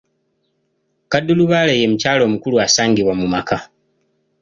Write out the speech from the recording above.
Kaddulubaale ye mukyala omukulu asangibwa mu maka.